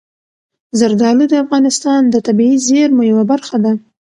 زردالو د افغانستان د طبیعي زیرمو یوه برخه ده.